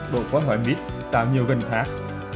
bộ quán hỏi mít tạo nhiều gần thác